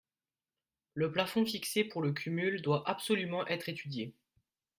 Le plafond fixé pour le cumul doit absolument être étudié.